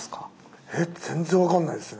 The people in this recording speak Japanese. えっ全然分かんないっすね。